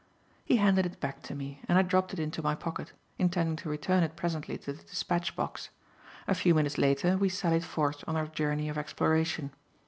He handed it back to me, and I dropped it into my pocket, intending to return it presently to the dispatch box. A few minutes later, we sallied forth on our journey of exploration.